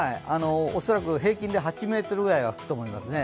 おそらく平均で８メートルぐらいは吹くと思いますね。